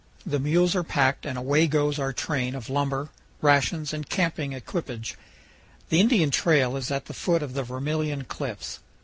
The mules are packed and away goes our train of lumber, rations, and camping equipage. The Indian trail is at the foot of the Vermilion Cliffs.